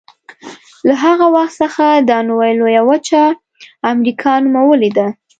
له هغه وخت څخه دا نوې لویه وچه امریکا نومولې ده.